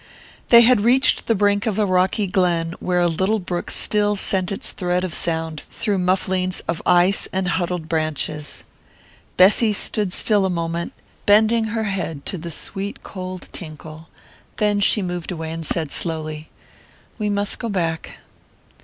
They had reached the brink of a rocky glen where a little brook still sent its thread of sound through mufflings of ice and huddled branches. Bessy stood still a moment, bending her head to the sweet cold tinkle; then she moved away and said slowly: "We must go back."